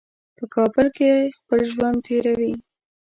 په کابل کې خپل ژوند تېروي.